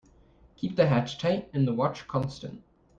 Keep the hatch tight and the watch constant.